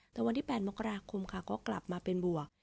แต่วันที่๘มกราคมค่ะก็กลับมาเป็นบวก